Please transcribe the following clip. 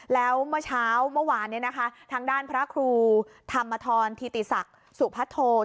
แล้วเมื่อเช้าเมื่อวานเนี่ยนะคะทางด้านพระครูทามทวนธิติศักดิ์สุพัตธโคน